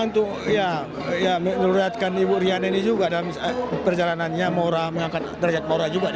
untuk ya luratkan ibu riana ini juga dalam perjalanannya mora mengangkat derajat mora juga